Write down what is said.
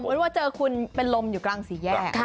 ว่าเจอคุณเป็นลมอยู่กลางสี่แยก